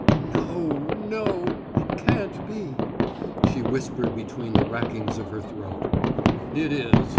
"No no; it can't be," she whispered between the rackings of her throat. "It is!